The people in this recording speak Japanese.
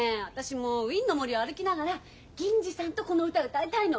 もうウィーンの森を歩きながら銀次さんとこの歌歌いたいの。